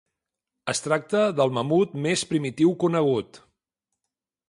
Es tracta del mamut més primitiu conegut.